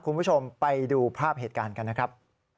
คุณผู้ชมไปดูภาพเหตุการณ์กันนะครับ